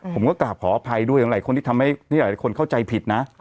ผมก็กราบขออภัยด้วยหลายคนที่ทำให้หลายคนเข้าใจผิดนะ